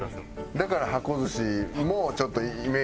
だから箱寿司もちょっとイメージが。